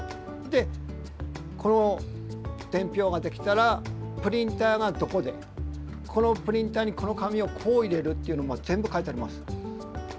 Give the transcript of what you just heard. でこの伝票ができたらプリンターがどこでこのプリンターにこの紙をこう入れるっていうのも全部書いてあります。